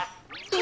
え。